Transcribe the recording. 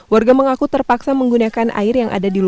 warga mengaku terpaksa menggunakan air yang ada di luar